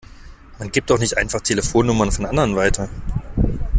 Man gibt doch nicht einfach Telefonnummern von anderen weiter!